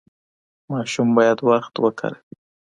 ماشوم باید وخت وکاروي.